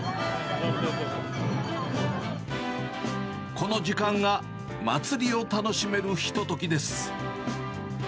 この時間が祭りを楽しめるひとときです。